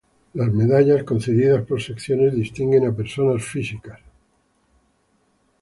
Las medallas, concedidas por secciones, distinguen a personas físicas.